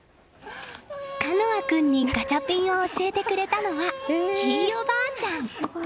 華空君にガチャピンを教えてくれたのはひいおばあちゃん。